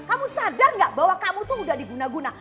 kamu sadar gak bahwa kamu tuh udah diguna guna